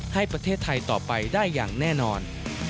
ให้ประเทศไทยต่อไปได้อย่างแน่นอน